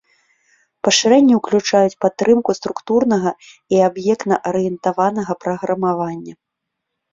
Пашырэнні ўключаюць падтрымку структурнага і аб'ектна-арыентаванага праграмавання.